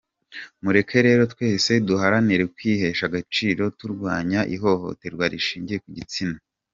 Mureke rero twese duharanire kwihesha agaciro, turwanya ihohoterwa rishingiye ku gitsina.